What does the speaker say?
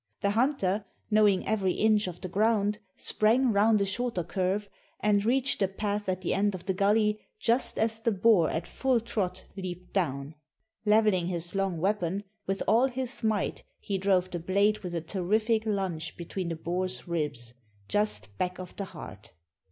The hunter, knowing every inch of the ground, sprang round a shorter curve, and reached the path at the end of the gully just as the boar at full trot leaped down. Levelling his long weapon, with all his might he drove the blade with a terrific lunge between the boar's ribs, just back of the heart.